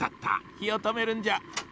ひをとめるんじゃ。